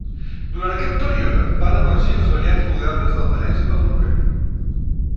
Durant aquest període, van emergir les variants modernes del danès i del noruec.